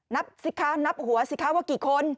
นับสิทธิ์ค้านับหัวสิทธิ์ค้าว่ากี่คน